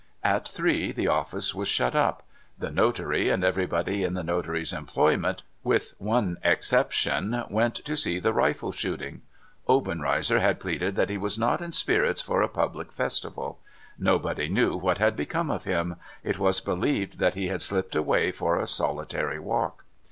At three, the office was shut up. The notary and everybody in the notary's employment, with one exception, went to see the rifle shooting. Obenreizer had pleaded that he was not in spirits for a public festival. Nobody knew what had become of him. It was believed that he had slipped away for a solitary walk.